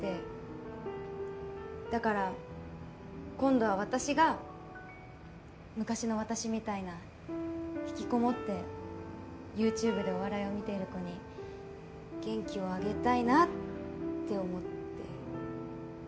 だから今度は私が昔の私みたいな引きこもってＹｏｕＴｕｂｅでお笑いを見ている子に元気をあげたいなって思って。